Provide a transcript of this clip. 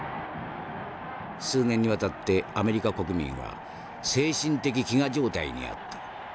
「数年にわたってアメリカ国民は精神的飢餓状態にあった。